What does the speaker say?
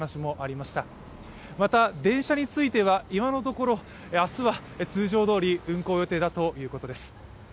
また、電車については、今のところ明日は通常運行だということです。